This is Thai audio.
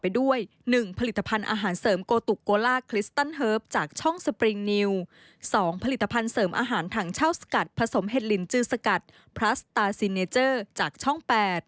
๒ผลิตภัณฑ์เสริมอาหารถังเช่าสกัดผสมเห็ดลินจือสกัดพลัสตาซีเนเจอร์จากช่อง๘